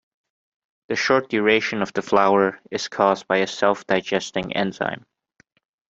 The short duration of the flower is caused by a self-digesting enzyme.